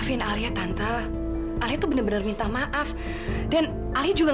untuk nyamperin makanan